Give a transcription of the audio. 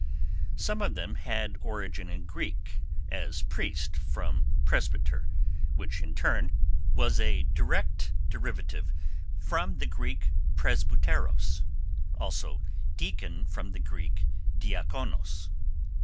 Some of them had origin in Greek, as priest from presbyter, which in turn was a direct derivative from the Greek presbuteros, also deacon from the Greek diakonos.